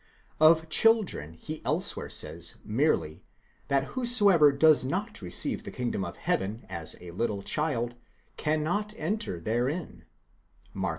Of children he elsewhere says merely, that whosoever does not receive the kingdom of heaven as a little child cannot enter therein (Mark x.